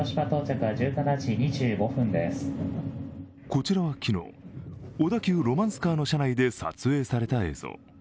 こちらは昨日、小田急ロマンスカーの車内で撮影された映像。